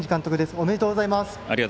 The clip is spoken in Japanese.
ありがとうございます。